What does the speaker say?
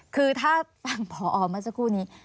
คือถ้าฟังพอเมื่อสักครู่นี้